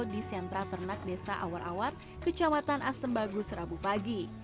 di sentra ternak desa awar awar kecamatan assembagu serabu pagi